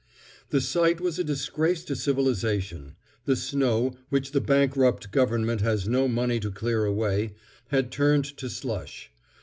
The sight was a disgrace to civilization. The snow, which the bankrupt Government has no money to clear away, had turned to slush.